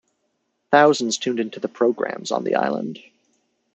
Thousands tuned into the programs on the island.